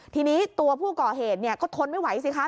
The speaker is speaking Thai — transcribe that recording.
ทีนี้ตัวผู้ก่อเหตุก็ทนไม่ไหวสิคะ